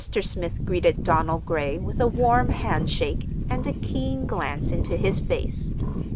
Smith greeted Donald Gray with a warm handshake and a keen glance into his face.